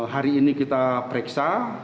hari ini kita periksa